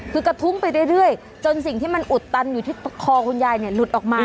คือกระทุ้งไปเรื่อยจนสิ่งที่มันอุดตันอยู่ที่คอคุณยายเนี่ยหลุดออกมา